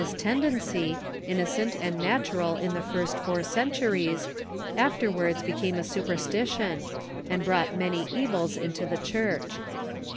This tendency, innocent and natural in the first four centuries, afterwards became a superstition, and brought many evils into the Church.